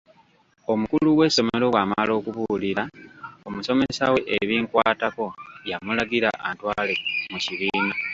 Omukulu w'essomero bw'amala okubuulira omusomesa we ebinkwatako yamulagira antwale mu kibiina.